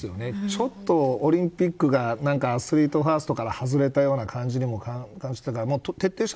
ちょっとオリンピックがアスリートファーストから外れたような感じにも。